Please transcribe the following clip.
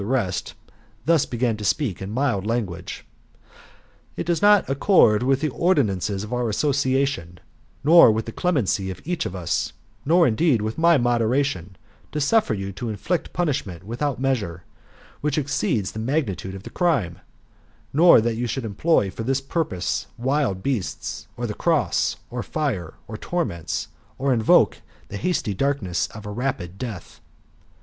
e rest, thus began to speak, in mild language: "It does not accord with the ordinancies of our association, nor with the clemency of each of us, nor indeed with my moderation, to suffer you to inflict punishment without measure, and which exceeds the magnitude of the crime; nor that you should employ for this purpose wild beasts, or the cross, or fire, or torments, or invoke the hasty torments of a rapid death.